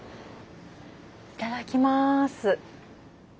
いただきます。